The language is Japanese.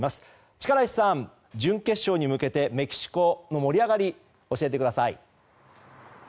力石さん、準決勝に向けてメキシコの盛り上がりを教えてください。